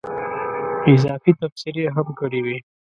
اضافي تبصرې هم کړې وې.